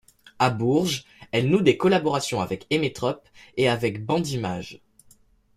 À Bourges, elle noue des collaborations avec Emmetrop et avec Bandits-Mages.